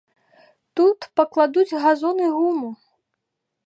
Тут пакладуць газон і гуму.